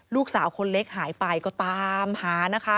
ลูกสาวคนเล็กหายไปก็ตามหานะคะ